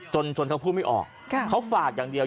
จนเขาพูดไม่ออกเขาฝากอย่างเดียว